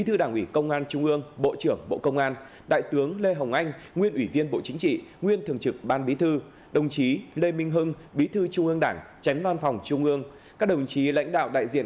hãy đăng ký kênh để ủng hộ kênh của chúng mình nhé